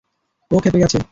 ও ক্ষেপে গেছে!